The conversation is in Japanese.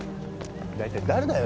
大体誰だよ